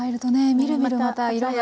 みるみるまた色が。